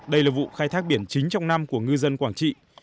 đây là vụ khai thác biển chính trong năm của ngư dân quảng trị